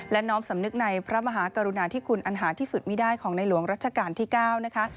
และน้อมสำนึกในพระมหากรุณาที่คุณอันหาที่สุดไม่ได้ของในหลวงรัชกาลที่๙นะคะ